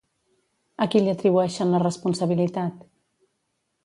A qui li atribueixen la responsabilitat?